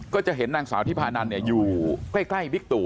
ก็จะเห็นนางสาวที่พานั่นเนี่ยอยู่แกล้วิกตุ